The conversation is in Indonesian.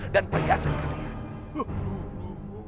dan perhiasan kalian